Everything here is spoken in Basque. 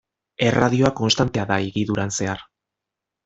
Erradioa konstantea da higiduran zehar.